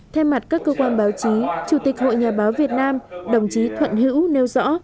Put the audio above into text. thay mặt các cơ quan báo chí chủ tịch hội nhà báo việt nam đồng chí thuận hữu nêu rõ